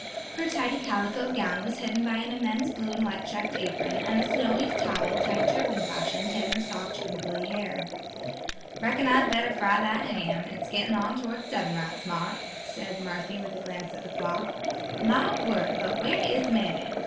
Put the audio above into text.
Her tidy calico gown was hidden by an immense blue and white checked apron, and a snowy towel tied turban fashion hid her soft crinkly hair. "Reckon I'd better fry that ham; it's gittin' on toward seven right smart," said Marthy with a glance at the clock. "My word, but where is mammy!